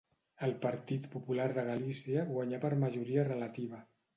El Partit Popular de Galícia guanyà per majoria relativa.